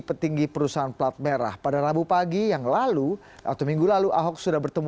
petinggi perusahaan plat merah pada rabu pagi yang lalu atau minggu lalu ahok sudah bertemu